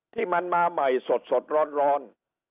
ที่มันมาใหม่สดร้อน